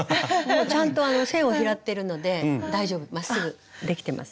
もうちゃんと線を拾ってるので大丈夫まっすぐできてます。